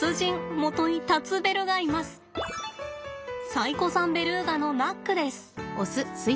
最古参ベルーガのナックです。